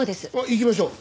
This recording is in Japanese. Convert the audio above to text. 行きましょう。